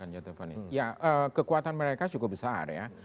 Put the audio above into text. ya kekuatan mereka cukup besar ya